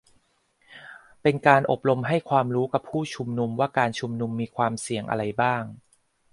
เป็นการอบรมให้ความรู้กับผู้ชุมนุมว่าการชุมนุมมีความเสี่ยงอะไรบ้าง